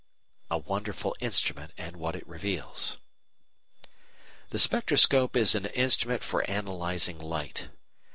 A WONDERFUL INSTRUMENT AND WHAT IT REVEALS The spectroscope is an instrument for analysing light.